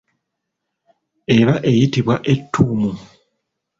Eba eyitibwa ettuumu.